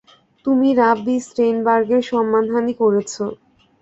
তুমি রাব্বি স্টেইনবার্গের সম্মানহানী করেছো।